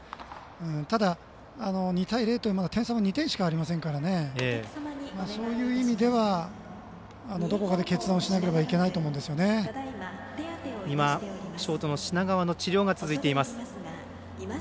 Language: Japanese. ただ、２対０という点差が２点しかないですからそういう意味では、どこかで決断をしないといけないとショートの品川の治療が続いています。